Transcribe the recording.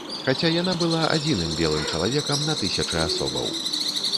Хаця яна была адзіным белым чалавекам на тысячы асобаў.